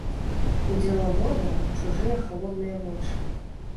У дзелавода чужыя халодныя вочы.